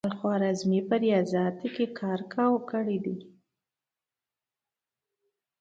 الخوارزمي په ریاضیاتو کې کار کړی.